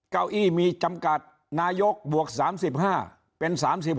เก้าอี้มีจำกัดนายกบวก๓๕เป็น๓๖